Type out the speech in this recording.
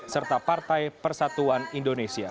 serta partai persatuan indonesia